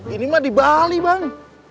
ini mah di bali bang